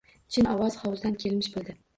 Chin, ovoz hovuzdan kelmish bo‘ldi.